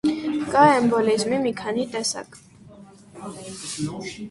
Կա էմբոլիզմի մի քանի տեսակ։